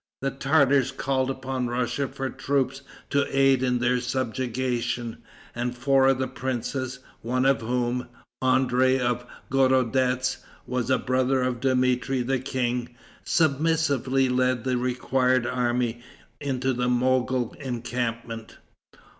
The Tartars called upon Russia for troops to aid in their subjugation; and four of the princes, one of whom, André of Gorodetz, was a brother of Dmitri the king, submissively led the required army into the Mogol encampment.